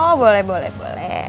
oh boleh boleh boleh